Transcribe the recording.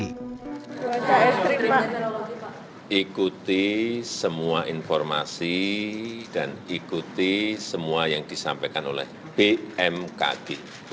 ikuti semua informasi dan ikuti semua yang disampaikan oleh bmkg